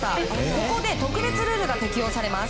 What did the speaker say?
そこで特別ルールが適用されます。